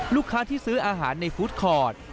ลูกค้าที่ซื้ออาหารในฟู้ดคอร์ด